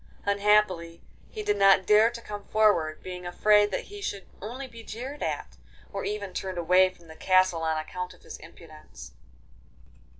Unhappily he did not dare to come forward, being afraid that he should only be jeered at, or even turned away from the castle on account of his impudence.